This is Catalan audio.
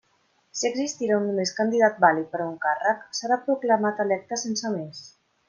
Si existira un només candidat vàlid per a un càrrec, serà proclamat electe sense més.